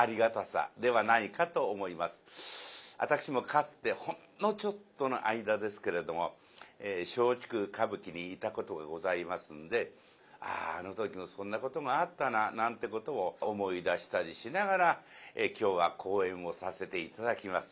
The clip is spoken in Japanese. わたくしもかつてほんのちょっとの間ですけれども松竹歌舞伎にいたことがございますんで「ああの時もそんなことがあったな」なんてことを思い出したりしながら今日は口演をさせて頂きます。